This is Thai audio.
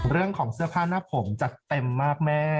เรื่องของเสื้อผ้าหน้าผมจัดเต็มมากแม่